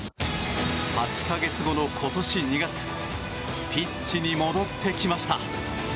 ８か月後の今年２月ピッチに戻ってきました。